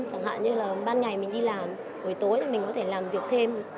chẳng hạn như là ban ngày mình đi làm buổi tối thì mình có thể làm việc thêm